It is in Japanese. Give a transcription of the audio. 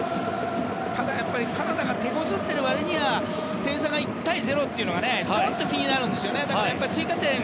ただ、カナダが手こずっている割には点差が１対０というのはちょっと気になるんですよね。